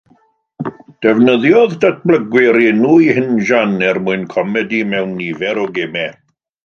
Defnyddiodd datblygwyr enw eu hinjan er mwyn comedi mewn nifer o gemau.